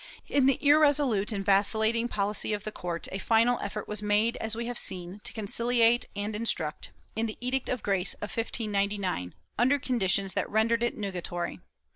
In the irresolute and vacillating poHcy of the court, a final effort was made, as we have seen, to conciliate and instruct, in the Edict of Grace of 1599, under conditions that rendered it nugatory.